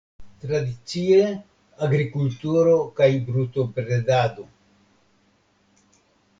Tradicie agrikulturo kaj brutobredado.